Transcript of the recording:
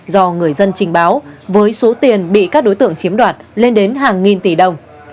do người dân trình báo với số tiền bị các đối tượng chiếm đoạt lên đến hàng nghìn tỷ đồng